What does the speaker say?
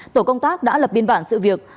tổ công tác đã lập biên bản sự việc